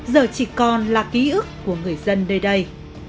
giờ chỉ còn là ký ức của người dân nơi đây